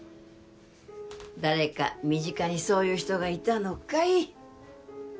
誰か身近にそういう人がいたのかい？